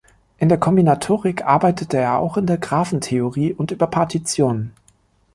In der Kombinatorik arbeitete er auch in der Graphentheorie und über Partitionen.